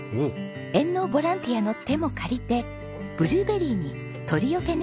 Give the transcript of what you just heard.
援農ボランティアの手も借りてブルーベリーに鳥よけネットを張ります。